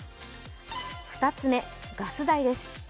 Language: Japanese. ２つ目、ガス代です。